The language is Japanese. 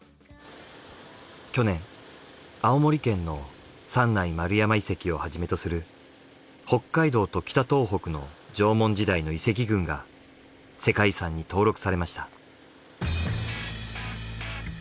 去年青森県の三内丸山遺跡をはじめとする北海道と北東北の縄文時代の遺跡群が世界遺産に登録されました。